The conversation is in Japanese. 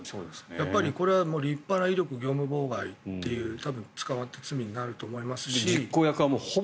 やっぱり立派な威力業務妨害で捕まって罪になると思いますし。